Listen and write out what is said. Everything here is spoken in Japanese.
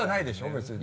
別に。